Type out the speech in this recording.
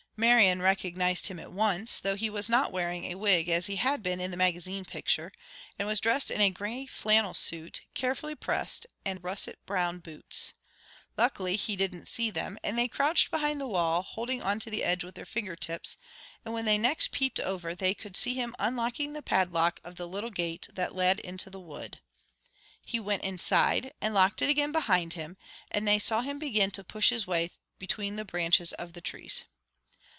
Marian recognized him at once, though he was not wearing a wig as he had been in the magazine picture, and was dressed in a grey flannel suit, carefully pressed, and russet brown boots. Luckily he didn't see them, and they crouched behind the wall, holding on to the edge with their finger tips; and when they next peeped over they could see him unlocking the padlock of the little gate that led into the wood. He went inside and locked it again behind him, and they saw him begin to push his way between the branches of the trees.